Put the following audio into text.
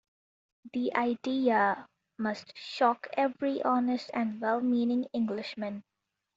The idea ... must shock every honest and well-meaning Englishman.